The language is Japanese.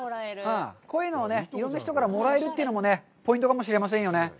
こういうのをいろんな人からもらえるというのもポイントかもしれないですよね。